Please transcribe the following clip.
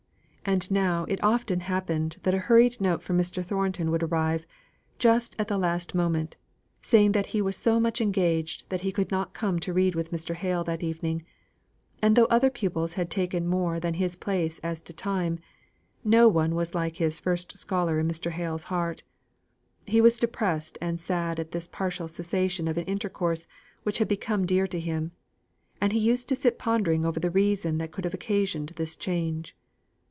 And now it often happened that a hurried note from Mr. Thornton would arrive, just at the last moment, saying that he was so much engaged that he could not come to read with Mr. Hale that evening. And though other pupils had taken more than his place as to time, no one was like his first scholar in Mr. Hale's heart. He was depressed and sad at this partial cessation of an intercourse which had become dear to him; and he used to sit pondering over the reason that could have occasioned this change.